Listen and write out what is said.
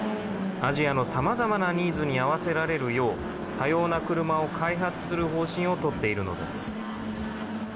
アジアのさまざまなニーズに合わせられるよう、多様な車を開発する方針を取っているのです。